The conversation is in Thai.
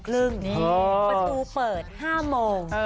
ประตูเปิด๕โมง